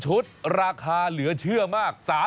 ๑ชุดราคาเหลือเชื่อมาก๓๐บาท